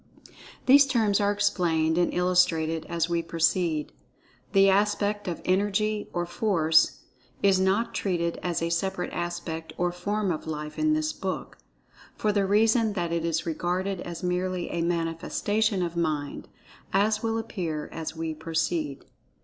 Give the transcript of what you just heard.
These terms are explained and illustrated as we proceed. The aspect of "Energy or Force" is not treated as a separate aspect or form of Life, in this book, for the reason that it is regarded as merely a manifestation of Mind, as will appear as we proceed.